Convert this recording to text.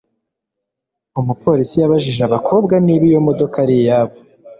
Umupolisi yabajije abakobwa niba iyo modoka ari iyabo